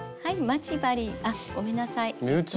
待ち針あっごめんなさい。